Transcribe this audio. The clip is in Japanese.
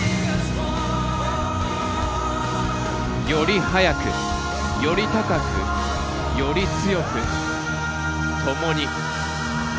「より速く、より高く、より強く、共に」。